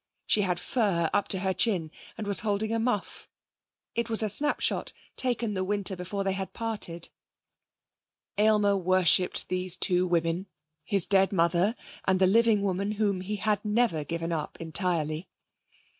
She had fur up to her chin, and was holding a muff; it was a snapshot taken the winter before they had parted. Aylmer worshipped these two women: his dead mother and the living woman whom he had never given up entirely.